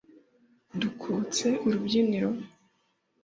Dukubutse urubyiniro ,